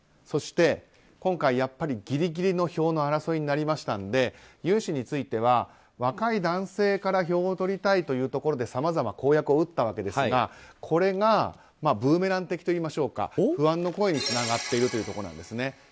そして、今回やっぱりギリギリの票の争いになりましたので尹氏については若い男性から票を取りたいというところでさまざま公約を打ったわけですがこれがブーメラン的といいましょうか不安の声につながっているというところなんですね。